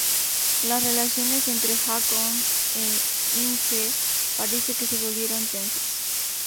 Las relaciones entre Haakon e Inge parece que se volvieron tensas.